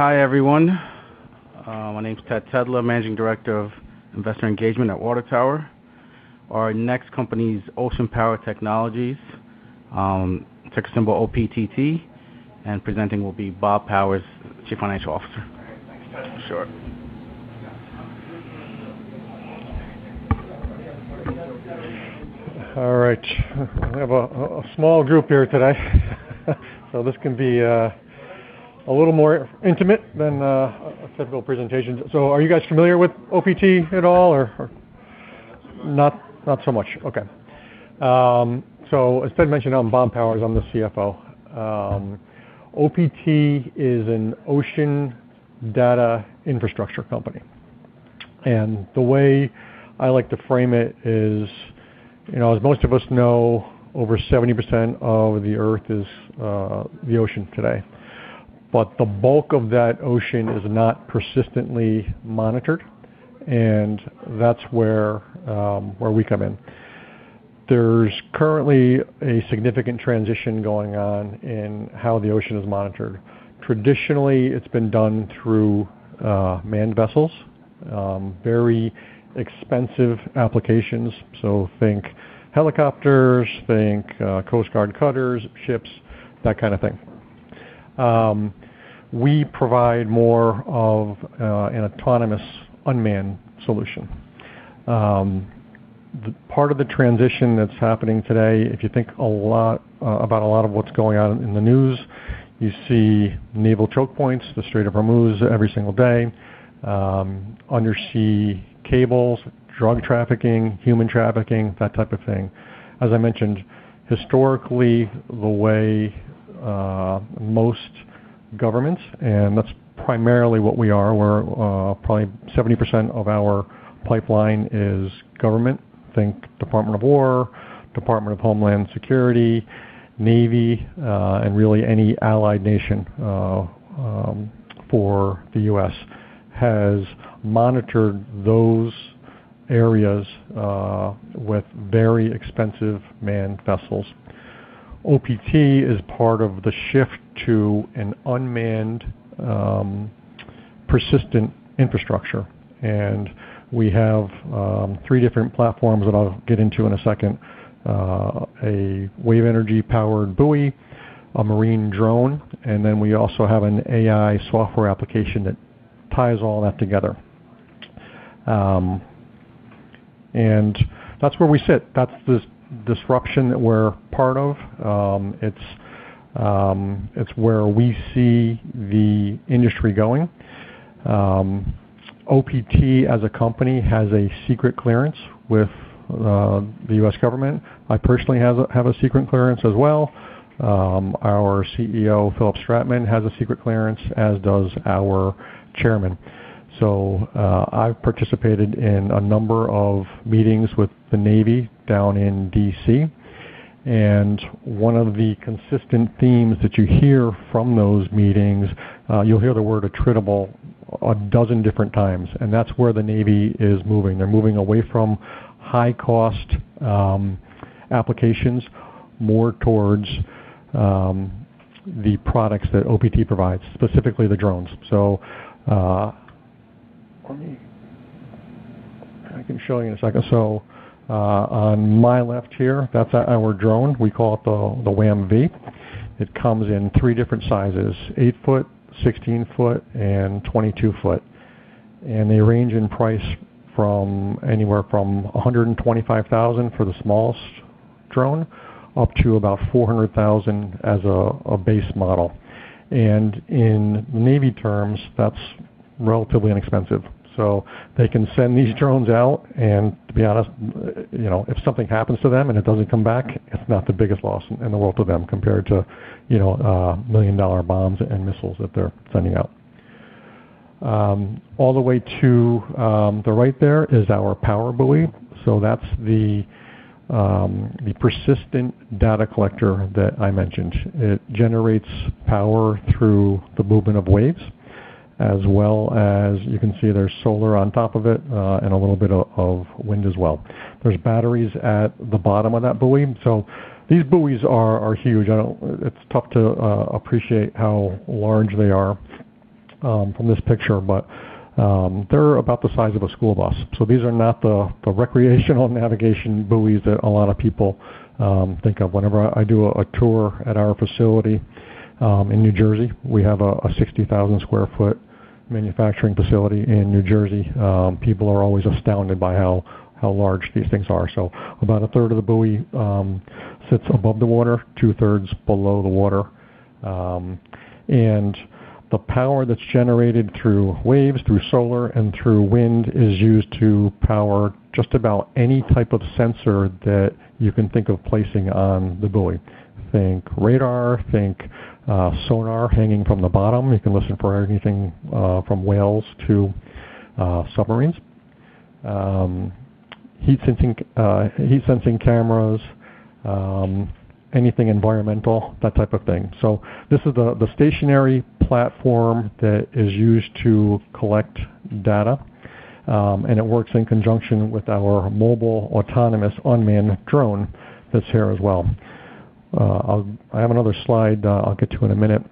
Hi, everyone. My name's Ted Tedla, Managing Director of Investor Engagement at Water Tower. Our next company's Ocean Power Technologies, ticker symbol OPTT, and presenting will be Bob Powers, Chief Financial Officer. All right. Thanks, Ted. Sure. All right. We have a small group here today, this can be a little more intimate than a typical presentation. Are you guys familiar with OPT at all or? Not so much. Not so much. Okay. As Ted mentioned, I'm Bob Powers. I'm the CFO. OPT is an ocean data infrastructure company, and the way I like to frame it is, as most of us know, over 70% of the Earth is the ocean today. The bulk of that ocean is not persistently monitored, and that's where we come in. There's currently a significant transition going on in how the ocean is monitored. Traditionally, it's been done through manned vessels. Very expensive applications. Think helicopters, think Coast Guard cutters, ships, that kind of thing. We provide more of an autonomous unmanned solution. Part of the transition that's happening today, if you think about a lot of what's going on in the news, you see naval choke points, the Strait of Hormuz every single day, undersea cables, drug trafficking, human trafficking, that type of thing. As I mentioned, historically, the way most governments, and that's primarily what we are. Probably 70% of our pipeline is government. Think Department of Defense, Department of Homeland Security, Navy, and really any allied nation for the U.S., has monitored those areas with very expensive manned vessels. OPT is part of the shift to an unmanned, persistent infrastructure, and we have three different platforms that I'll get into in a second. A wave energy PowerBuoy, a marine drone, we also have an AI software application that ties all that together. That's where we sit. That's the disruption that we're part of. It's where we see the industry going. OPT as a company has a secret clearance with the U.S. government. I personally have a secret clearance as well. Our CEO, Philipp Stratmann, has a secret clearance, as does our chairman. I've participated in a number of meetings with the Navy down in D.C., and one of the consistent themes that you hear from those meetings, you'll hear the word attritable a dozen different times, and that's where the Navy is moving. They're moving away from high-cost applications, more towards the products that OPT provides, specifically the drones. I can show you in a second. On my left here, that's our drone. We call it the WAM-V. It comes in three different sizes, eight foot, 16 foot, and 22 foot. They range in price from anywhere from $125,000 for the smallest drone, up to about $400,000 as a base model. In Navy terms, that's relatively inexpensive. They can send these drones out, and to be honest, if something happens to them and it doesn't come back, it's not the biggest loss in the world to them, compared to million-dollar bombs and missiles that they're sending out. All the way to the right there is our PowerBuoy. That's the persistent data collector that I mentioned. It generates power through the movement of waves, as well as you can see, there's solar on top of it, and a little bit of wind as well. There's batteries at the bottom of that buoy. These buoys are huge. It's tough to appreciate how large they are from this picture, but they're about the size of a school bus. These are not the recreational navigation buoys that a lot of people think of. Whenever I do a tour at our facility in New Jersey, we have a 60,000 sq ft manufacturing facility in New Jersey. People are always astounded by how large these things are. About a third of the buoy sits above the water, two-thirds below the water. The power that's generated through waves, through solar, and through wind is used to power just about any type of sensor that you can think of placing on the buoy. Think radar, think sonar hanging from the bottom. You can listen for anything from whales to submarines. Heat-sensing cameras. Anything environmental, that type of thing. This is the stationary platform that is used to collect data, and it works in conjunction with our mobile, autonomous, unmanned drone that's here as well. I have another slide I'll get to in a minute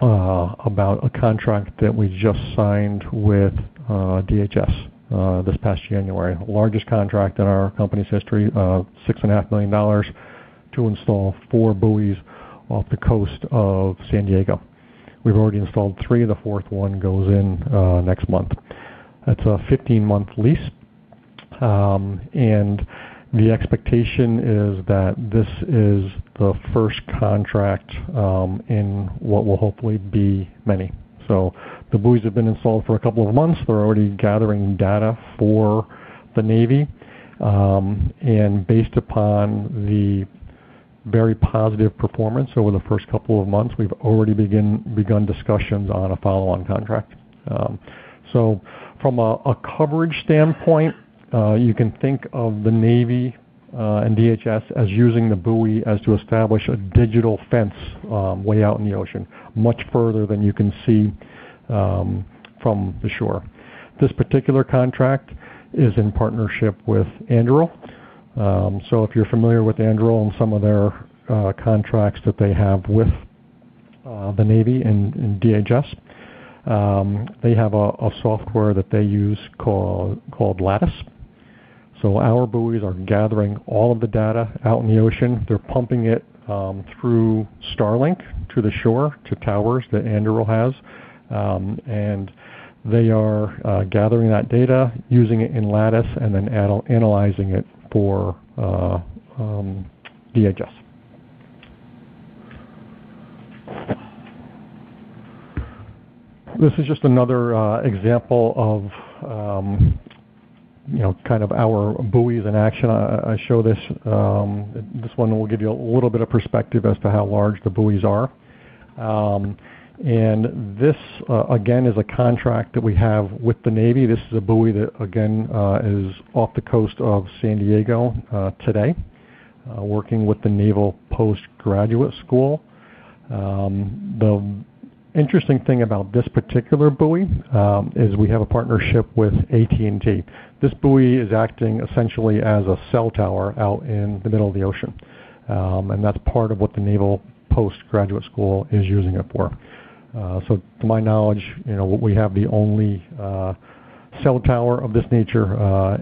about a contract that we just signed with DHS this past January. The largest contract in our company's history, $6.5 million to install four buoys off the coast of San Diego. We've already installed three. The fourth one goes in next month. That's a 15-month lease. The expectation is that this is the first contract in what will hopefully be many. The buoys have been installed for a couple of months. They're already gathering data for the Navy. Based upon the very positive performance over the first couple of months, we've already begun discussions on a follow-on contract. From a coverage standpoint, you can think of the Navy and DHS as using the buoy as to establish a digital fence way out in the ocean, much further than you can see from the shore. This particular contract is in partnership with Anduril. If you're familiar with Anduril and some of their contracts that they have with the Navy and DHS, they have a software that they use called Lattice. Our buoys are gathering all of the data out in the ocean. They're pumping it through Starlink to the shore, to towers that Anduril has. They are gathering that data, using it in Lattice, and then analyzing it for DHS. This is just another example of our buoys in action. I show this one will give you a little bit of perspective as to how large the buoys are. This, again, is a contract that we have with the Navy. This is a buoy that, again, is off the coast of San Diego today, working with the Naval Postgraduate School. The interesting thing about this particular buoy is we have a partnership with AT&T. This buoy is acting essentially as a cell tower out in the middle of the ocean, and that's part of what the Naval Postgraduate School is using it for. To my knowledge, we have the only cell tower of this nature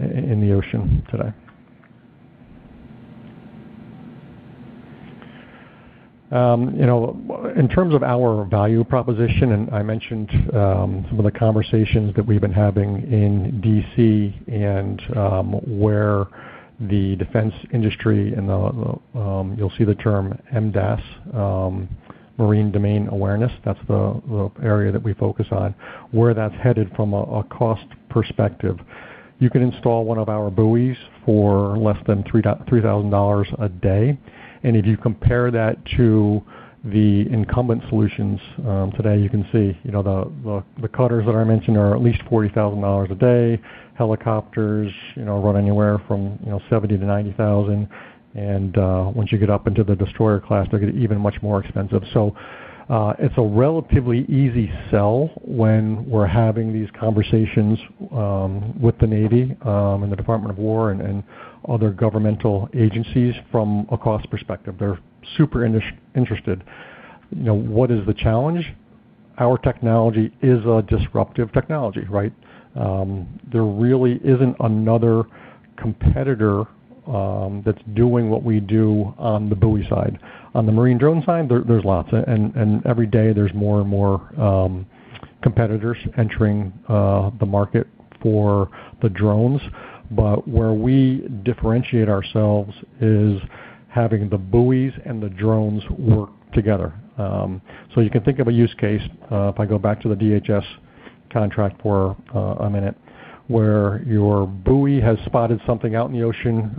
in the ocean today. In terms of our value proposition, I mentioned some of the conversations that we've been having in D.C. and where the defense industry and you'll see the term MDA, Maritime Domain Awareness, that's the area that we focus on, where that's headed from a cost perspective. You can install one of our buoys for less than $3,000 a day. If you compare that to the incumbent solutions today, you can see the cutters that I mentioned are at least $40,000 a day. Helicopters run anywhere from $70,000-$90,000. Once you get up into the destroyer class, they get even much more expensive. It's a relatively easy sell when we're having these conversations with the Navy and the Department of War and other governmental agencies from a cost perspective. They're super interested. What is the challenge? Our technology is a disruptive technology, right? There really isn't another competitor that's doing what we do on the buoy side. On the marine drone side, there's lots. Every day, there's more and more competitors entering the market for the drones. Where we differentiate ourselves is having the buoys and the drones work together. You can think of a use case, if I go back to the DHS contract for a minute, where your buoy has spotted something out in the ocean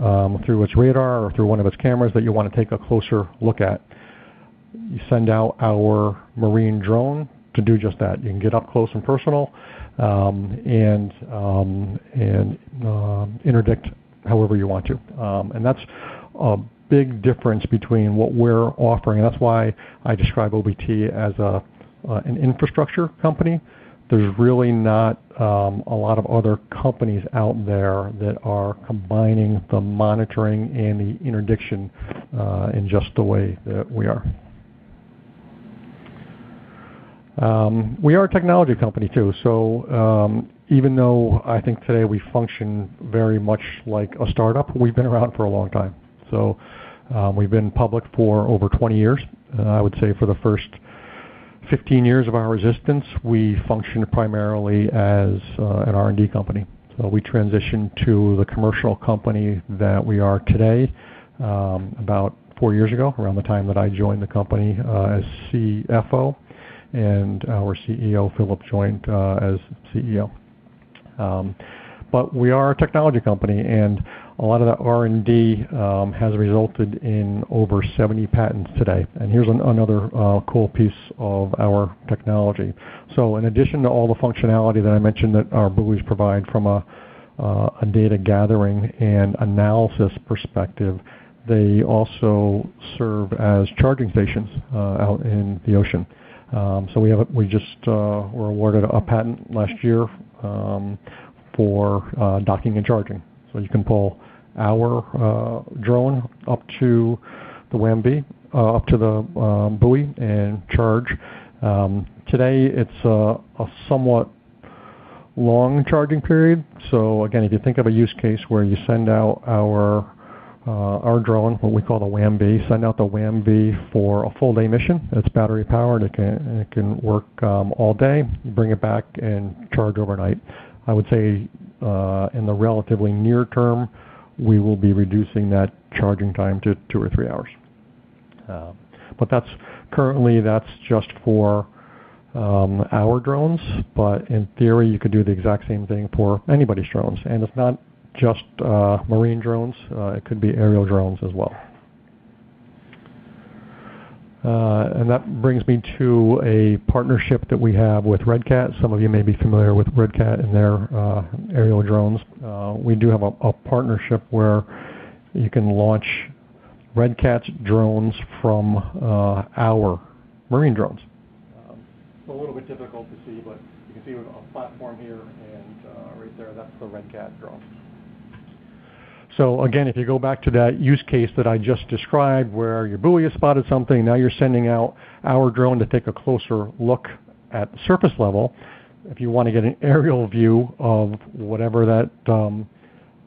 through its radar or through one of its cameras that you want to take a closer look at. You send out our marine drone to do just that. You can get up close and personal and interdict however you want to. That's a big difference between what we're offering. That's why I describe OPT as an infrastructure company. There's really not a lot of other companies out there that are combining the monitoring and the interdiction in just the way that we are. We are a technology company, too. Even though I think today we function very much like a startup, we've been around for a long time. We've been public for over 20 years. I would say for the first 15 years of our existence, we functioned primarily as an R&D company. We transitioned to the commercial company that we are today about four years ago, around the time that I joined the company as CFO, and our CEO, Philipp, joined as CEO. We are a technology company, and a lot of that R&D has resulted in over 70 patents today. Here's another cool piece of our technology. In addition to all the functionality that I mentioned that our buoys provide from a data gathering and analysis perspective, they also serve as charging stations out in the ocean. We just were awarded a patent last year for docking and charging. You can pull our drone up to the WAM-V, up to the buoy, and charge. Today, it's a somewhat long charging period. Again, if you think of a use case where you send out our drone, what we call the WAM-V, send out the WAM-V for a full-day mission. It's battery-powered, it can work all day, bring it back, and charge overnight. I would say in the relatively near term, we will be reducing that charging time to two or three hours. Currently, that's just for our drones, but in theory, you could do the exact same thing for anybody's drones. It's not just marine drones, it could be aerial drones as well. That brings me to a partnership that we have with Red Cat. Some of you may be familiar with Red Cat and their aerial drones. We do have a partnership where you can launch Red Cat's drones from our marine drones. It's a little bit difficult to see, but you can see we have a platform here and right there, that's the Red Cat drone. Again, if you go back to that use case that I just described where your buoy has spotted something, now you're sending out our drone to take a closer look at the surface level. If you want to get an aerial view of whatever that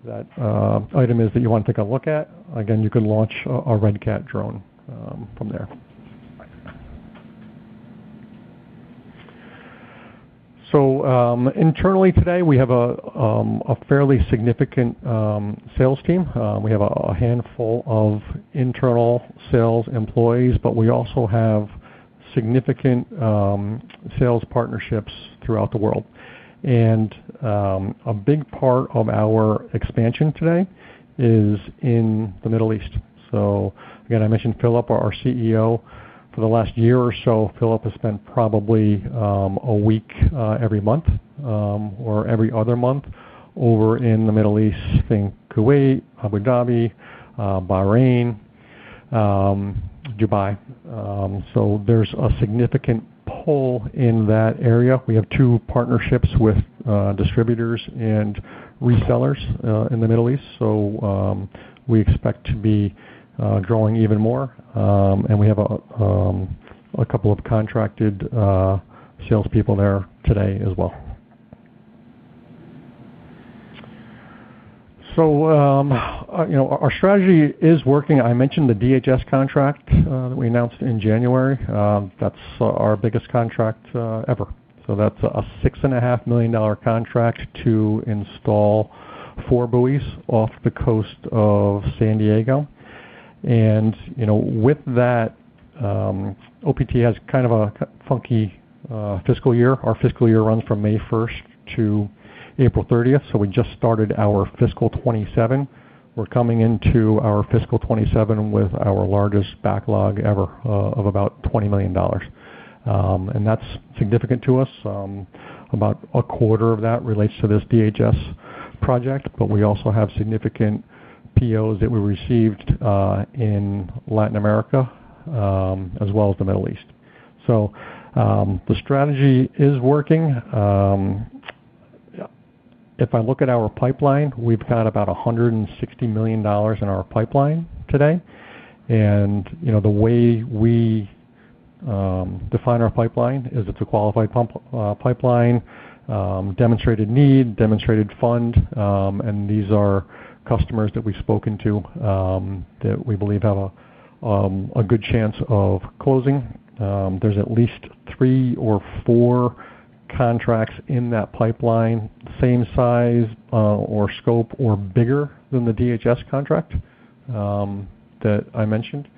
item is that you want to take a look at, again, you can launch a Red Cat drone from there. Internally today, we have a fairly significant sales team. We have a handful of internal sales employees, but we also have significant sales partnerships throughout the world. A big part of our expansion today is in the Middle East. Again, I mentioned Philipp, our CEO. For the last year or so, Philipp has spent probably a week every month, or every other month, over in the Middle East, think Kuwait, Abu Dhabi, Bahrain, Dubai. There's a significant pull in that area. We have two partnerships with distributors and resellers in the Middle East. We expect to be growing even more. We have a couple of contracted salespeople there today as well. Our strategy is working. I mentioned the DHS contract that we announced in January. That's our biggest contract ever. That's a $6.5 million contract to install four buoys off the coast of San Diego. With that, OPT has kind of a funky fiscal year. Our fiscal year runs from May 1st to April 30th. We just started our fiscal 2027. We're coming into our fiscal 2027 with our largest backlog ever of about $20 million. That's significant to us. About a quarter of that relates to this DHS project, but we also have significant POs that we received in Latin America, as well as the Middle East. The strategy is working. If I look at our pipeline, we've got about $160 million in our pipeline today. The way we define our pipeline is it's a qualified pipeline, demonstrated need, demonstrated fund, and these are customers that we've spoken to, that we believe have a good chance of closing. There's at least three or four contracts in that pipeline, same size or scope or bigger than the DHS contract that I mentioned.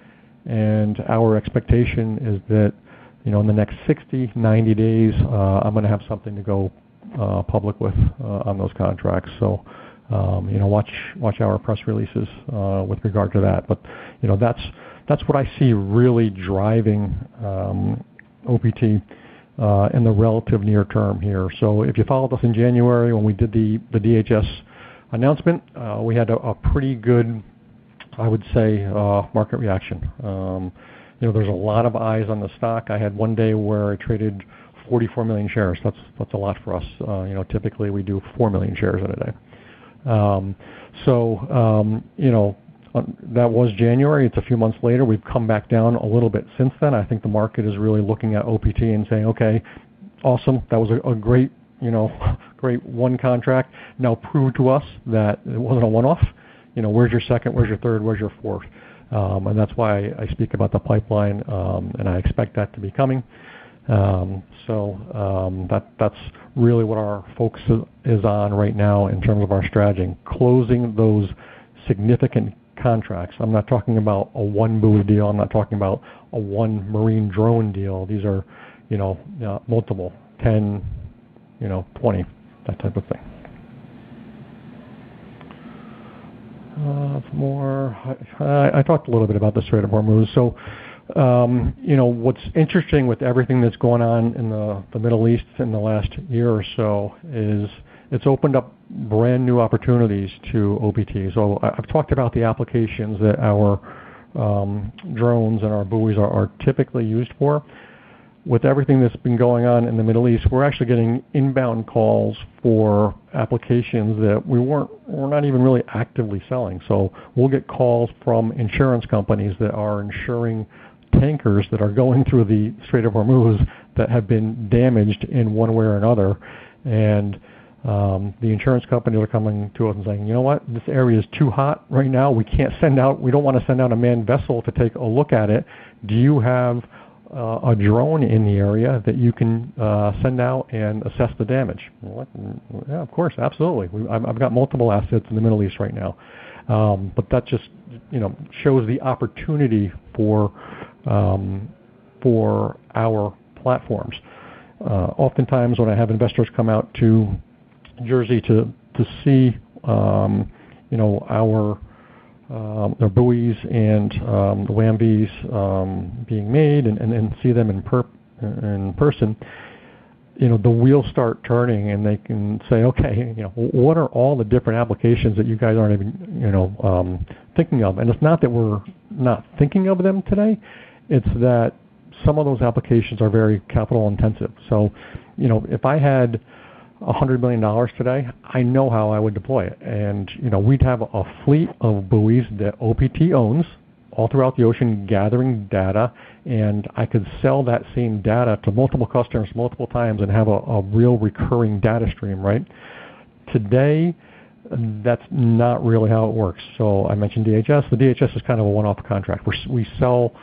Our expectation is that in the next 60, 90 days, I'm going to have something to go public with on those contracts. Watch our press releases with regard to that. That's what I see really driving OPT in the relative near term here. If you followed us in January when we did the DHS announcement, we had a pretty good, I would say, market reaction. There's a lot of eyes on the stock. I had one day where I traded 44 million shares. That's a lot for us. Typically, we do 4 million shares in a day. That was January. It's a few months later. We've come back down a little bit since then. I think the market is really looking at OPT and saying, "Okay, awesome. That was a great one contract. Now prove to us that it wasn't a one-off. Where's your second? Where's your third? Where's your fourth?" That's why I speak about the pipeline, and I expect that to be coming. That's really what our focus is on right now in terms of our strategy, closing those significant contracts. I'm not talking about a one buoy deal. I'm not talking about a one marine drone deal. These are multiple, 10, 20, that type of thing. I talked a little bit about the Strait of Hormuz. What's interesting with everything that's gone on in the Middle East in the last year or so is it's opened up brand new opportunities to OPT. I've talked about the applications that our drones and our buoys are typically used for. With everything that's been going on in the Middle East, we're actually getting inbound calls for applications that we're not even really actively selling. We'll get calls from insurance companies that are insuring tankers that are going through the Strait of Hormuz that have been damaged in one way or another. The insurance companies are coming to them saying, "You know what? This area is too hot right now. We don't want to send out a manned vessel to take a look at it. Do you have a drone in the area that you can send out and assess the damage?" We're like, "Yeah, of course. Absolutely." I've got multiple assets in the Middle East right now. That just shows the opportunity for our platforms. Oftentimes, when I have investors come out to Jersey to see our buoys and the WAM-Vs being made and then see them in person, the wheels start turning, and they can say, "Okay, what are all the different applications that you guys aren't even thinking of?" It's not that we're not thinking of them today, it's that some of those applications are very capital intensive. If I had $100 million today, I know how I would deploy it. We'd have a fleet of buoys that OPT owns all throughout the ocean gathering data, and I could sell that same data to multiple customers multiple times and have a real recurring data stream, right? Today, that's not really how it works. I mentioned DHS. The DHS is kind of a one-off contract. We sell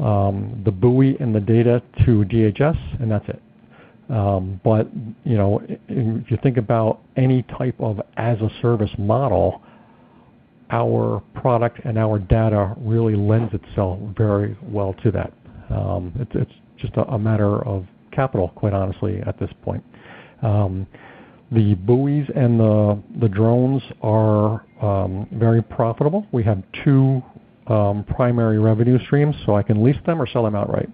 the buoy and the data to DHS, and that's it. If you think about any type of as a service model, our product and our data really lends itself very well to that. It's just a matter of capital, quite honestly, at this point. The buoys and the drones are very profitable. We have two primary revenue streams, so I can lease them or sell them outright.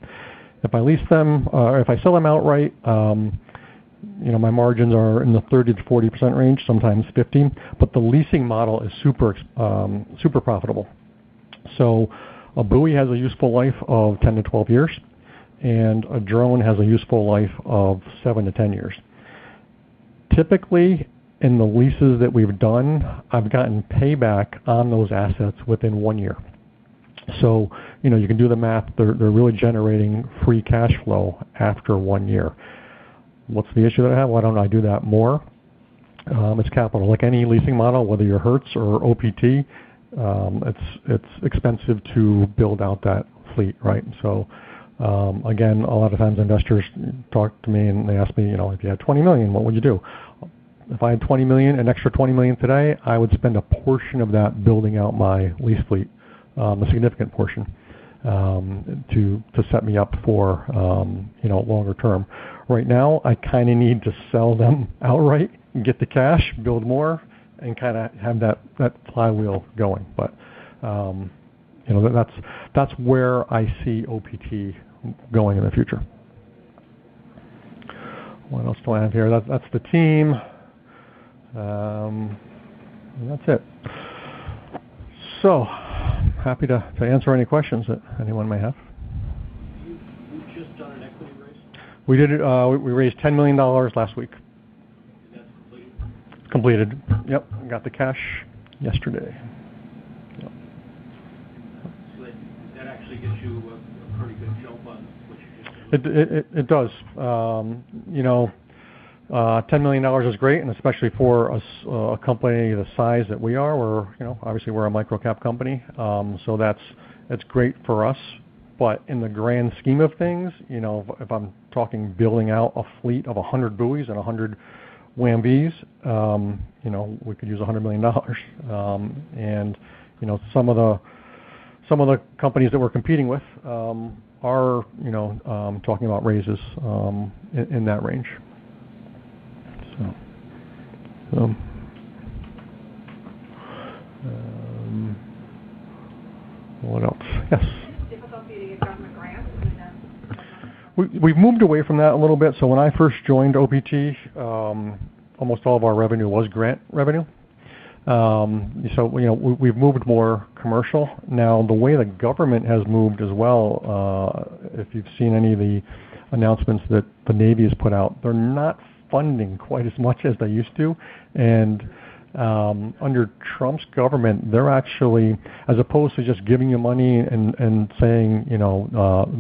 If I sell them outright, my margins are in the 30%-40% range, sometimes 50%, the leasing model is super profitable. A buoy has a useful life of 10 to 12 years, and a drone has a useful life of 7 to 10 years. Typically, in the leases that we've done, I've gotten payback on those assets within one year. You can do the math. They're really generating free cash flow after one year. What's the issue that I have? Why don't I do that more? It's capital. Like any leasing model, whether you're Hertz or OPT, it's expensive to build out that fleet, right? Again, a lot of times investors talk to me, and they ask me, "If you had $20 million, what would you do?" If I had an extra $20 million today, I would spend a portion of that building out my lease fleet, a significant portion, to set me up for longer term. Right now, I kind of need to sell them outright, get the cash, build more, and have that flywheel going. That's where I see OPT going in the future. What else do I have here? That's the team. That's it. Happy to answer any questions that anyone may have. You've just done an equity raise? We raised $10 million last week. That's completed? Completed. Yep, got the cash yesterday. Yep. That actually gets you a pretty good jump on what you just- It does. $10 million is great, especially for a company the size that we are. Obviously, we're a micro-cap company. That's great for us. In the grand scheme of things, if I'm talking building out a fleet of 100 buoys and 100 WAM-Vs, we could use $100 million. Some of the companies that we're competing with are talking about raises in that range. What else? Yes. Is it a difficulty to get government grants? I mean, we've moved away from that a little bit. When I first joined OPT, almost all of our revenue was grant revenue. We've moved more commercial. Now, the way the government has moved as well, if you've seen any of the announcements that the Navy has put out, they're not funding quite as much as they used to. Under Trump's government, they're actually, as opposed to just giving you money and saying,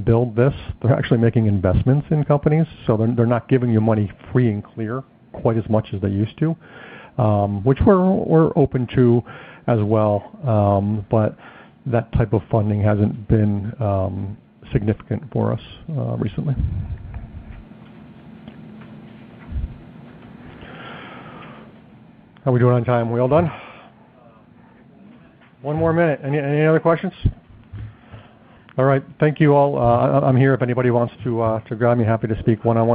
"Build this," they're actually making investments in companies. They're not giving you money free and clear quite as much as they used to, which we're open to as well. That type of funding hasn't been significant for us recently. How we doing on time? We all done? You have one minute. One more minute. Any other questions? All right. Thank you all. I'm here if anybody wants to grab me. Happy to speak one-on-one.